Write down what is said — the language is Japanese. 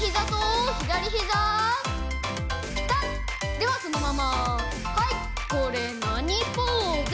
ではそのままはいこれなにポーズ？